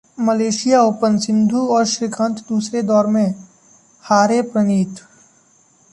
Malaysia open Sindhu और श्रीकांत दूसरे दौर में, हारे प्रणीत